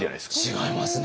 違いますね！